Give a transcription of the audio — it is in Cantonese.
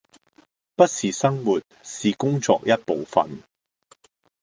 不是生活是工作一部分